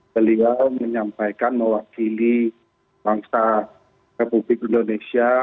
beliau menyampaikan mewakili bangsa republik indonesia